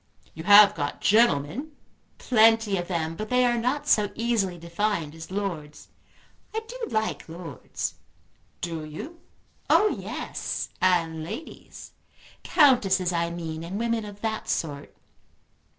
"You have got gentlemen?" "Plenty of them; but they are not so easily defined as lords. I do like lords." "Do you?" "Oh yes, and ladies; Countesses I mean and women of that sort.